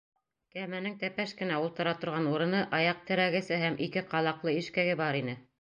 Кәмәнең тәпәш кенә ултыра торған урыны, аяҡ терәгесе һәм ике ҡалаҡлы ишкәге бар ине.